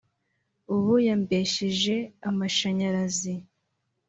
ubu yampesheje amashanyarazi